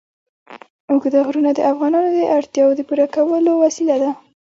اوږده غرونه د افغانانو د اړتیاوو د پوره کولو وسیله ده.